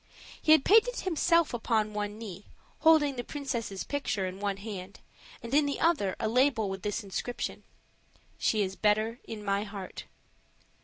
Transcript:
He had painted himself upon one knee, holding the princess' picture in one hand, and in the other a label with this inscription, "She is better in my heart."